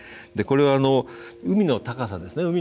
これは、海の高さですね。